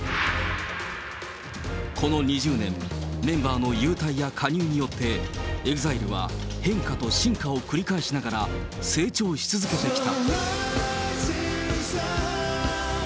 この２０年、メンバーの勇退や加入によって、ＥＸＩＬＥは変化と進化を繰り返しながら成長し続けてきた。